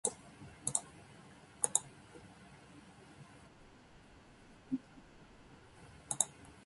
鹿児島県南九州市